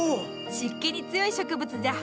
湿気に強い植物じゃ。